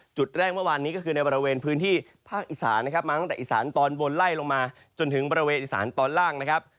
จุดแรกเมื่อวานนี้ก็คือในบริเวณพื้นที่ภาคอีสานนะครับมาตั้งแต่อีสานตอนบนไล่ลงมาจนถึงบริเวณอิสานตอนล่างนะครับ